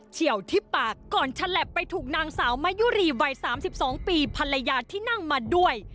ี่ยวที่ปากก่อนฉลับไปถูกนางสาวมะยุรีวัย๓๒ปีภรรยาที่นั่งมาด้วย